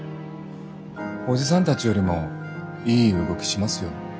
おじさんたちよりもいい動きしますよ。